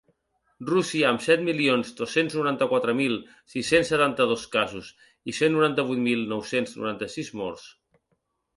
Rússia, amb set milions dos-cents noranta-quatre mil sis-cents setanta-dos casos i cent noranta-vuit mil nou-cents noranta-sis morts.